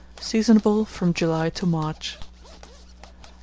Seasonable from July to March.